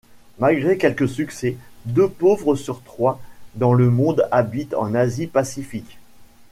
Malgré quelques succès, deux pauvres sur trois dans le monde habitent en Asie-Pacifique.